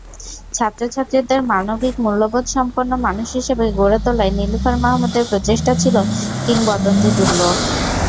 ছাত্রছাত্রীদের মানবিক মূল্যবোধসম্পন্ন মানুষ হিসেবে গড়ে তোলায় নীলুফার মাহমুদের প্রচেষ্টা ছিল কিংবদন্তিতুল্য।